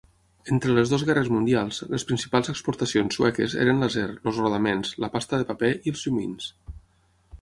Entre les dues guerres mundials, les principals exportacions sueques eren l'acer, els rodaments, la pasta de paper i els llumins.